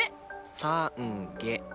さ・ん・げ。